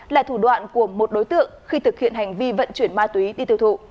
là thủ đoạn của một đối tượng khi thực hiện hành vi vận chuyển ma túy đi tiêu thụ